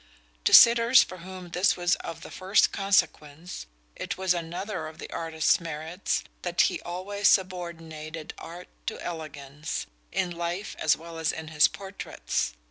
To sitters for whom this was of the first consequence it was another of the artist's merits that he always subordinated art to elegance, in life as well as in his portraits.